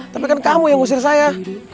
tapi kan kamu yang ngusir saya